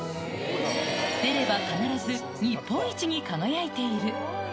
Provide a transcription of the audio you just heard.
出れば必ず日本一に輝いている。